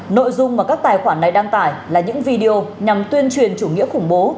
nội dung mà các tài khoản này đăng tải là những video nhằm tuyên truyền chủ nghĩa khủng bố